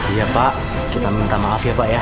iya pak kita minta maaf ya pak ya